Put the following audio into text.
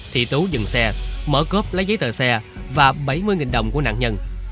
thì tú dừng xe mở cốp lấy giấy tờ xe và bảy mươi đồng của nạn nhân